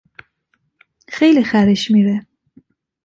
خیلی خرش میره.